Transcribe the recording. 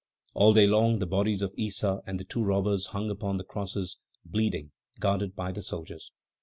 All day long the bodies of Issa and the two robbers hung upon the crosses, bleeding, guarded by the soldiers.